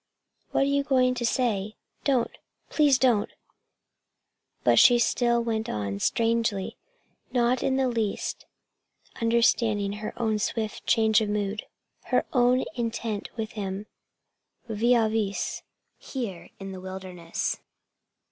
"What are you going to say? Don't! Oh, please don't!" But she still went on, strangely, not in the least understanding her own swift change of mood, her own intent with him, vis à vis, here in the wilderness.